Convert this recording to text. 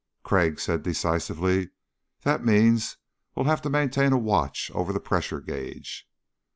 Crag said decisively. "That means we'll have to maintain a watch over the pressure gauge."